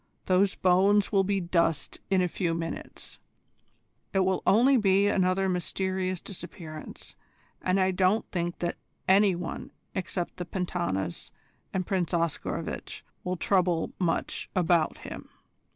Those bones will be dust in a few minutes. It will only be another mysterious disappearance, and I don't think that any one except the Pentanas and Prince Oscarovitch will trouble much about him.